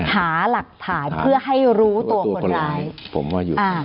หารักฐานเพื่อให้รู้ตัวคนร้าย